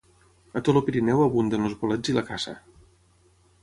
A tot el Pirineu abunden els bolets i la caça.